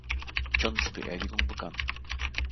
Johns Beerdigung begann.